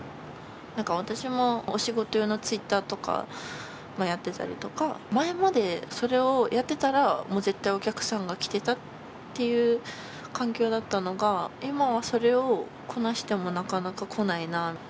私もお仕事用のＴｗｉｔｔｅｒとかやってたりとか前までそれをやってたらもう絶対お客さんが来てたっていう環境だったのが今はそれをこなしてもなかなか来ないな。